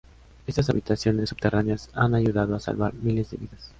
Estas habitaciones subterráneas han ayudado a salvar miles de vidas.